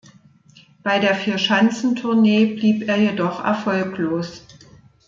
Bei der Vierschanzentournee blieb er jedoch erfolglos.